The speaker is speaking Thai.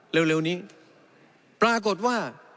เร็วนี้ปรากฏว่า